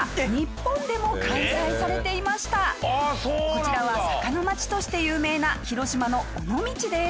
こちらは坂の街として有名な広島の尾道です。